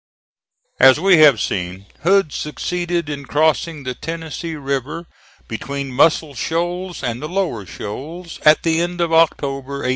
As we have seen, Hood succeeded in crossing the Tennessee River between Muscle Shoals and the lower shoals at the end of October, 1864.